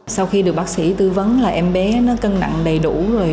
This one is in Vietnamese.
sau khi được bác sĩ tư vấn là em bé nó cân nặng đầy đủ rồi